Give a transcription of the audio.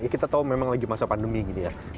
kita tahu memang lagi masa pandemi gini ya